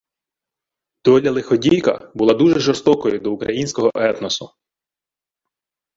Доля-лиходійка була дуже жорстокою до українського етносу